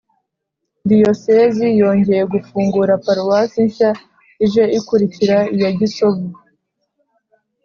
diyosezi yongeye gufungura paruwasi nshya ije ikurikira iya gisovu